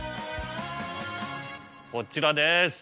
こちらです。